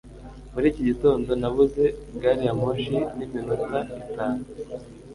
muri iki gitondo nabuze gari ya moshi niminota itanu